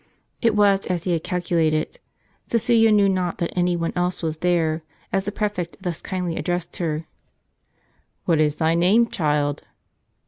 It was as he had calculated. Cecilia knew not that any one else was there, as the pi'efect thus kindly addressed her ;" What is thy name, child